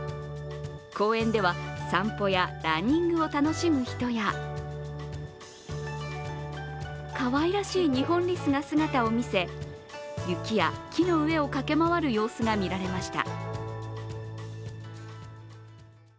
公園では散歩やランニングを楽しむ人やかわいらしいニホンリスが姿を見せ雪や木の上を駆け回る様子が見られました。